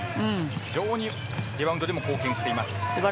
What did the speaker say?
非常にリバウンドでも貢献しています。